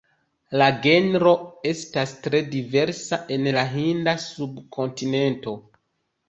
La genro estas tre diversa en la Hinda subkontinento.